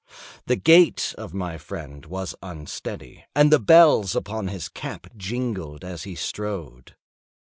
The gait of my friend was unsteady, and the bells upon his cap jingled as he strode.